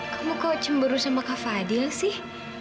kamu kok cemberu sama kak fadil sih